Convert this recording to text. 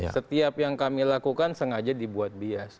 setiap yang kami lakukan sengaja dibuat bias